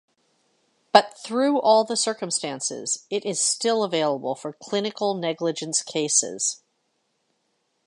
But through all the circumstances it is still available for Clinical Negligence cases.